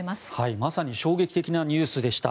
まさに衝撃的なニュースでした。